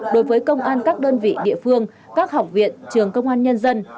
đối với công an các đơn vị địa phương các học viện trường công an nhân dân